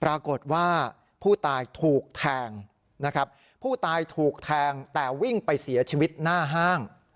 ปรากฏว่าผู้ตายถูกแทงนะครับผู้ตายถูกแทงแต่วิ่งไปเสียชีวิตหน้าห้าง